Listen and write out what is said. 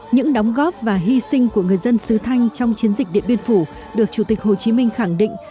những đóng góp và hy sinh của người dân sứ thanh trong chiến dịch điện biên phủ được chủ tịch hồ chí minh khẳng định